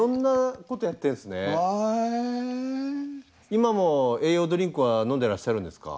今も栄養ドリンクは飲んでらっしゃるんですか？